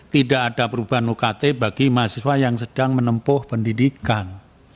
tidak ada perubahan ukt bagi mahasiswa yang sedang menempuh pendidikan